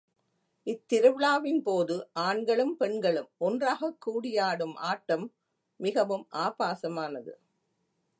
இத் திருவிழாவின் போது, ஆண்களும் பெண்களும் ஒன்றாகக் கூடி ஆடும் ஆட்டம் மிகவும் ஆபாசமானது.